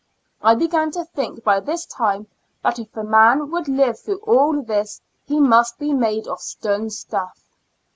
I^B^gan to think by this time that \q if ^man jiould live through all this, he \v* mudlbe mAde of stern stuff.